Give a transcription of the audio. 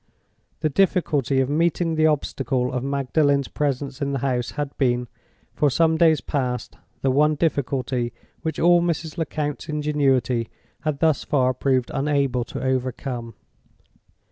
The difficulty of meeting the obstacle of Magdalen's presence in the house had been, for some days past, the one difficulty which all Mrs. Lecount's ingenuity had thus far proved unable to overcome.